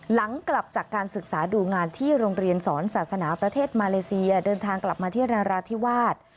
หลังกลับจากการศึกษาดูงานที่โรงเรียนสอนศาสนาประเทศมาเลเซียเดินทางกลับมาที่นราธิวาส